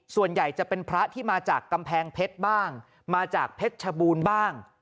ส่วนใหญ่จะเป็นพระที่มาจากกำแพงเพชรบ้างมาจากเพชรชบูรณ์บ้าง